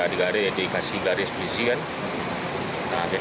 dikasih garis pelisi kan